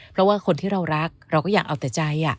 เพราะว่าคนที่เรารักเราก็อยากเอาแต่ใจ